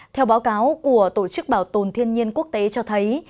theo báo cáo của tổ chức bảo tồn thiên nhiên quốc tế cho thấy